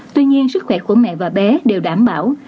tuy nhiên sức khỏe của mẹ và bé đều đảm bảo